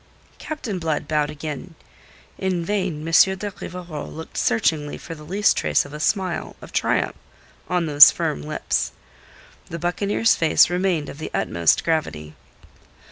Captain Blood bowed again. In vain M. de Rivarol looked searchingly for the least trace of a smile of triumph on those firm lips. The buccaneer's face remained of the utmost gravity.